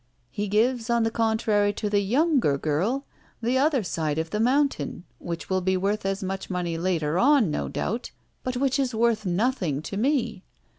He gives, on the contrary, to the younger girl the other side of the mountain, which will be worth as much money later on, no doubt, but which is worth nothing to me.